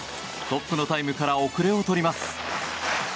トップのタイムから後れを取ります。